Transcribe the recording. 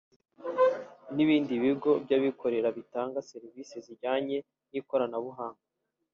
n’ibindi bigo by’abikorera bitanga serivisi zijyanye n’ikoranabuhanga